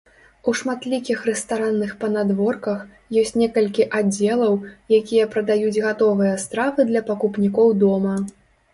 У шматлікіх рэстаранных панадворках ёсць некалькі аддзелаў, якія прадаюць гатовыя стравы для пакупнікоў дома.